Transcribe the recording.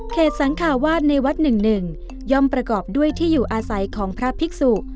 สังคาวาสในวัดหนึ่งหนึ่งย่อมประกอบด้วยที่อยู่อาศัยของพระภิกษุ